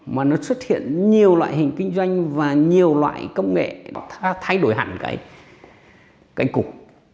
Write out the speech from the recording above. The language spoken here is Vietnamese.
mà nó xuất hiện nhiều loại hình kinh doanh và nhiều loại công nghệ thay đổi hẳn cái cành cục